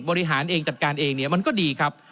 บริหารเองจัดการเองเนี่ยมันก็ดีครับ